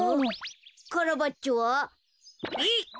カラバッチョは？え！